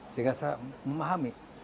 sehingga saya memahami